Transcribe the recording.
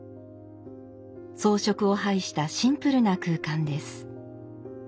装飾を排したシンプルな空間です。